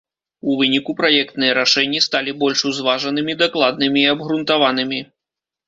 У выніку праектныя рашэнні сталі больш узважанымі, дакладнымі і абгрунтаванымі.